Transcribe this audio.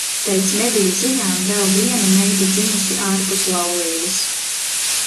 Pēc mediju ziņām vēl viena meita dzimusi ārpus laulības.